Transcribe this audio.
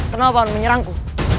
kenapa paman menyerangku